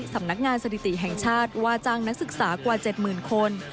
สำนักงานสถิติแห่งชาติว่าจ้างนักศึกษากว่า๗๐๐คน